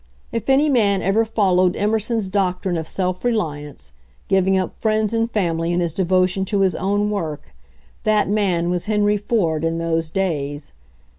| If any man ever followed Emerson's doctrine j of self reliance, giving up friends and family in 1 his devotion to his own work, that man was ' Henry Ford in those days.